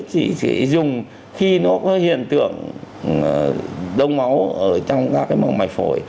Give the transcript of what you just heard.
chỉ dùng khi nó có hiện tượng đông máu ở trong các mạch phổi